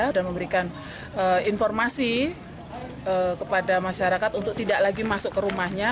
memberikan informasi kepada masyarakat untuk tidak lagi masuk ke rumahnya